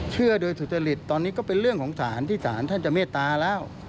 เชื่อโดยสุจริตตอนนี้ก็เป็นเรื่องของสารที่สารท่านจะเมตตาแล้ว